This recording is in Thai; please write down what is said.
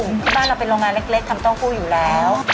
ที่บ้านเราเป็นโรงงานเล็กทำเต้าหู้อยู่แล้ว